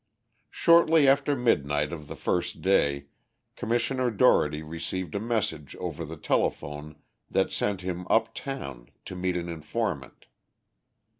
Shortly after midnight of the first day, Commissioner Dougherty received a message over the telephone that sent him uptown to meet an informant.